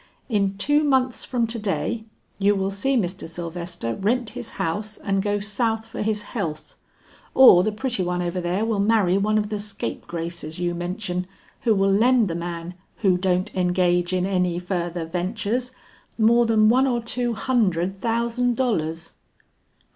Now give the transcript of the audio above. In two months from to day you will see Mr. Sylvester rent his house and go south for his health, or the pretty one over there will marry one of the scapegraces you mention, who will lend the man who don't engage in any further ventures, more than one or two hundred thousand dollars."